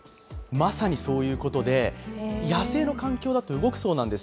まさにそういうことで、野生の環境だと動くそうなんです。